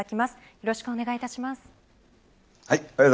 よろしくお願いします。